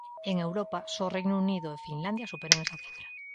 En Europa, só Reino Unido e Finlandia superan esa cifra.